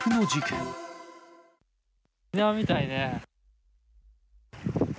沖縄みたいね。